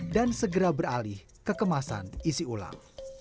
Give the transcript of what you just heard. dan segera beralih ke kemasan isi ulang